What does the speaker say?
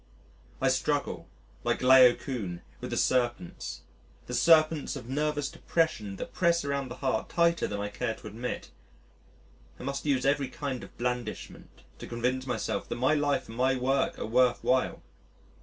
I struggle like Laocoon with the serpents the serpents of nervous depression that press around the heart tighter than I care to admit. I must use every kind of blandishment to convince myself that my life and my work are worth while.